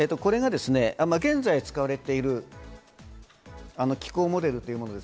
現在使われている気候モデルというものです。